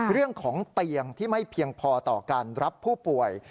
เรื่องของเตียงที่ไม่เพียงพอต่อการรับผู้ป่วย